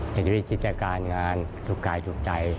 ในชีวิตคิดการณ์งานทุกกายทุกใจ